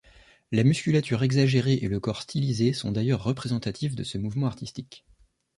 La musculature exagérée et le corps stylisé sont d'ailleurs représentatifs de ce mouvement artistique.